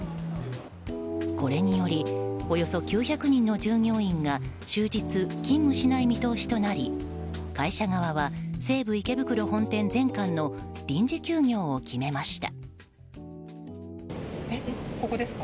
これによりおよそ９００人の従業員が終日勤務しない見通しとなり会社側は西武池袋本店全館の臨時休業を決めました。